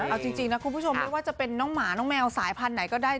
เอาจริงคุณผู้ชมไม่ว่าจะเป็นหมาเหมาสายพันธุ์หน่อยก็ได้